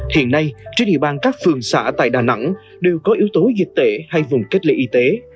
hiện nay trên địa bàn các phường xã tại đà nẵng đều có yếu tố dịch tệ hay vùng kết lệ y tế